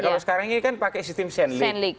kalau sekarang ini kan pakai sistem sandling